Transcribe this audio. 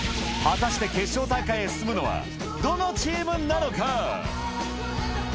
果たして決勝大会へ進むのは、どのチームなのか？